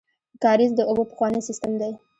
کاریز د اوبو پخوانی سیستم دی